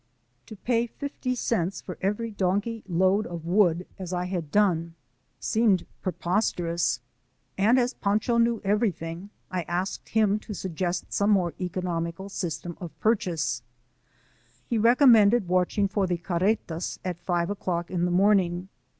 To pay fifty cents for every donkey load of wood, as I had done^ 68 FACE TO FACE WITH THE MEXICANS. seemed preposterous; and, as Pancho knew everything, I asked him to suggest some more economical system of purchase. He recom mended watching for the carretas at five o'clock in the morning.